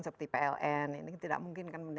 seperti pln ini tidak mungkin kan